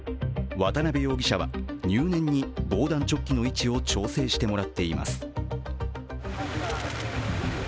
渡辺容疑者は入念に防弾チョッキの位置を調整してもらっています。